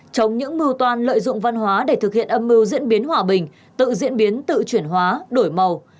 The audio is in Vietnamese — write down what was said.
chống những mưu toan lợi dụng văn hóa để thực hiện âm mưu diễn biến hòa bình tự diễn biến tự chuyển hóa đổi màu